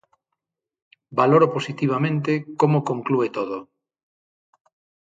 Valoro positivamente como conclúe todo.